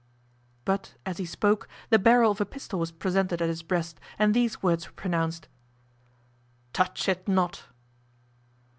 But as he spoke the barrel of a pistol was presented at his breast and these words were pronounced: "Touch it not!"